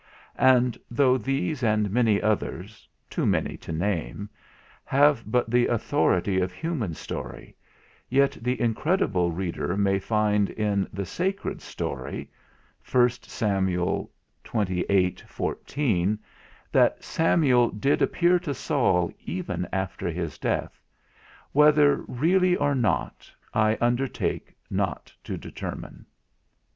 And though these and many others too many to name have but the authority of human story, yet the incredible reader may find in the sacred story (1 Sam. xxviii. 14) that Samuel did appear to Saul even after his death whether really or not, I undertake not to determine.